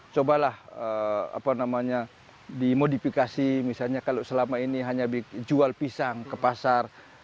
cobalah apa namanya dimodifikasi misalnya kalau selama ini hanya jual pisang ke pasar